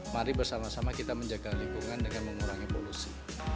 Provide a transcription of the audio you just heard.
mari bersama sama kita menjaga lingkungan dengan mengurangi polusi